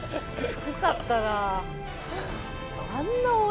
すごかったなあ。